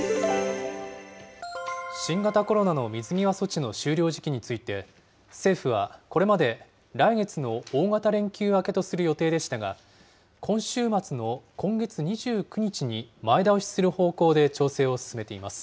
新型コロナの水際措置の終了時期について、政府はこれまで来月の大型連休明けとする予定でしたが、今週末の今月２９日に前倒しする方向で調整を進めています。